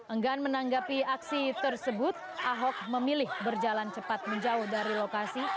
enggan menanggapi aksi tersebut ahok memilih berjalan cepat menjauh dari lokasi